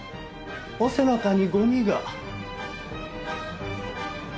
お背中にゴミが。